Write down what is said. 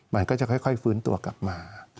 มันก็จะค่อยฟื้นตัวกลับมา